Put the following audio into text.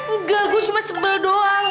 enggak gue cuma sebel doang